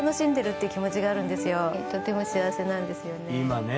とても幸せなんですよね。